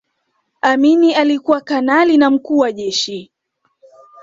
amini alikuwa kanali na mkuu wa jeshi